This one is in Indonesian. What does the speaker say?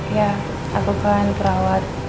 ya aku kan perawat